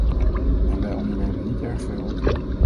En wij ondernemen niet erg veel.